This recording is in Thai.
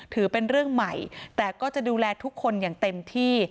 ถือเป็นเรื่องใหม่แต่ก็จะดูแลทุกคนอย่างเต็มที่